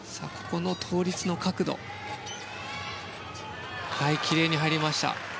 倒立の角度きれいに入りました。